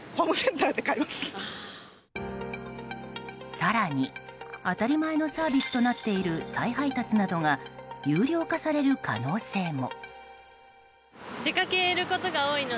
更に、当たり前のサービスとなっている再配達などが有料化される可能性も。